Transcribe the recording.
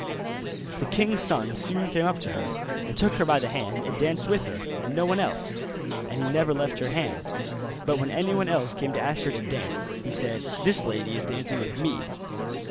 The king's son soon came up to her, and took her by the hand and danced with her, and no one else: and he never left her hand; but when anyone else came to ask her to dance, he said, 'This lady is dancing with me.